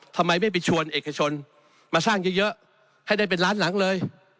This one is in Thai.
ทำไมไม่ไปชวนเอกชนมาสร้างเยอะให้ได้เป็นล้านหลังเลย